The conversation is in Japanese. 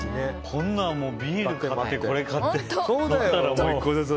こんなのビール買って、これ買って。